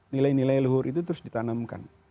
nilai nilai luhur itu terus ditanamkan